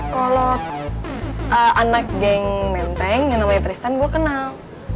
kalau anak geng menteng yang namanya tristan gue kenal